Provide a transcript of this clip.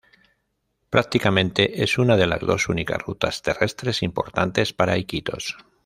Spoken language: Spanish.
Prácticamente, es una de las dos únicas rutas terrestres importantes para Iquitos.